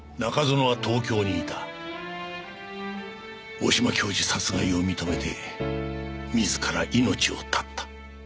大島教授殺害を認めて自ら命を絶った。